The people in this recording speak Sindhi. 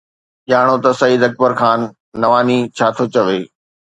ڄاڻو ته سعيد اڪبر خان نواني ڇا ٿو چوي